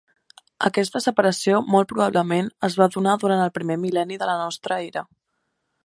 Aquesta separació molt probablement es va donar durant el primer mil·lenni de la nostra era.